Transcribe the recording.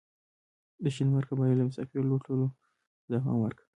د شینوارو قبایلو د مسافرو لوټلو ته دوام ورکړ.